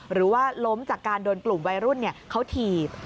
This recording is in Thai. หรือว่าล้มจากการโดนกลุ่มวัยรุ่นเขาถีบ